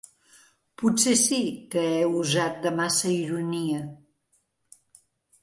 Potser sí que he usat de massa ironia